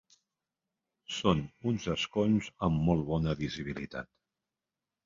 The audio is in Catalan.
Són uns escons amb molt bona visibilitat.